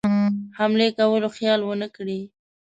حملې کولو خیال ونه کړي.